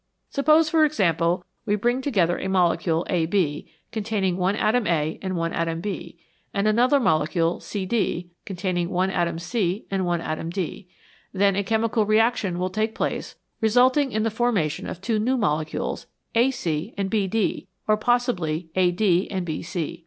Suppose, for example, we bring together a molecule AB, 36 NATURE'S BUILDING MATERIAL containing one atom A and one atom B, and another molecule CD, containing one atom C and one atom D, then a chemical reaction will take place resulting in the formation of two new molecules AC and BD, or possibly AD and BC.